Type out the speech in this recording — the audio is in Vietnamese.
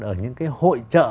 ở những cái hội trợ